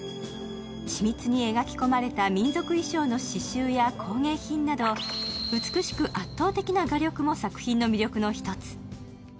緻密に描き込まれた民族衣装の刺しゅうや工芸品など美しく圧倒的な画力も作品の魅力の一つ。